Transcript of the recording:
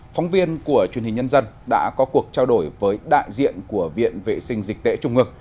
phóng viên của truyền hình nhân dân đã có cuộc trao đổi với đại diện của viện vệ sinh dịch tễ trung ương